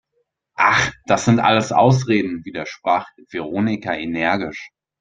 Ach, das sind alles Ausreden, widersprach Veronika energisch.